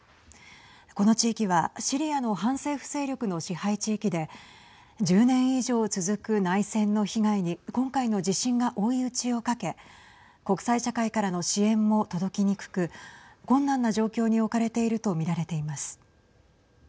この地域はシリアの反政府勢力の支配地域で１０年以上続く内戦の被害に今回の地震が追い打ちをかけ国際社会からの支援も届きにくく困難な状況に置かれていると見られています。